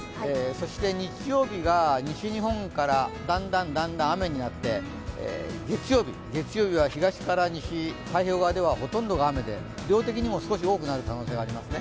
そして日曜日が西日本からだんだん雨になって、月曜日は東から西、太平洋側ではほとんどが雨で量的にも少し多くなる可能性がありますね。